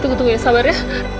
tunggu tunggu ya sabarnya